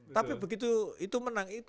tapi begitu itu menang